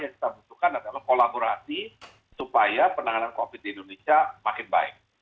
yang kita butuhkan adalah kolaborasi supaya penanganan covid di indonesia makin baik